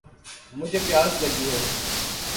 مجھے پیاس لگی ہے